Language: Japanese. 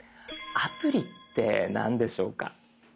アプリって何でしょうか？